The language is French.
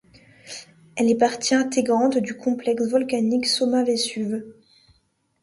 Elle est partie intégrante du complexe volcanique Somma-Vésuve.